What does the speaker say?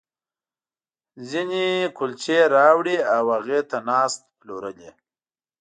ځينې کُلچې راوړي او هغې ته ناست، پلورل یې.